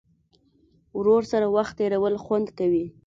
ورور سره وخت تېرول خوند کوي.